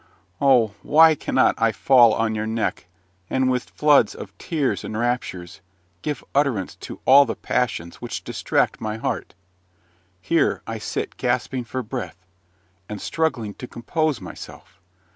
Oh, why cannot I fall on your neck, and, with floods of tears and raptures, give utterance to all the passions which distract my heart! Here I sit gasping for breath, and struggling to compose myself.